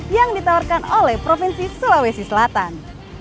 yang ditawarkan oleh provinsi sulawesi selatan